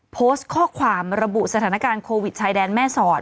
โพสต์ข้อความระบุสถานการณ์โควิดชายแดนแม่สอด